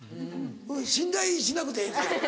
うん信頼しなくてええから。